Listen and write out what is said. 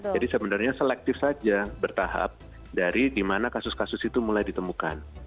jadi sebenarnya selektif saja bertahap dari dimana kasus kasus itu mulai ditemukan